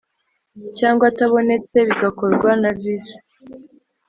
cyangwa atabonetse bigakorwa na Visi